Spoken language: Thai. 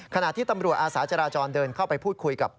ขณะที่ตำรวจอาสาจราจรเดินเข้าไปพูดคุยกับ